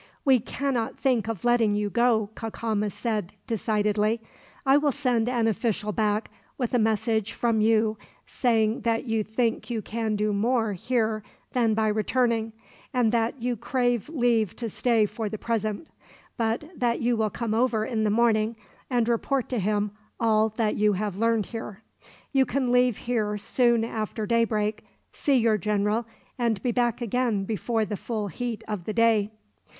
"We cannot think of letting you go," Cacama said, decidedly. "I will send an official back, with a message from you saying that you think you can do more, here, than by returning; and that you crave leave to stay for the present, but that you will come over, in the morning, and report to him all that you have learned here. You can leave here soon after daybreak, see your general, and be back again before the full heat of the day."